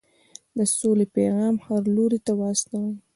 د سولې پیغام هر لوري ته ورسوئ.